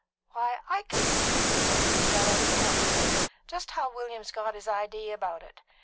"Why, I can see," he said, when he got out to help them in, "just how William's got his idee about it.